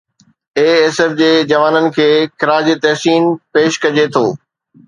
اي S F جي جوانن کي خراج تحسين پيش ڪجي ٿو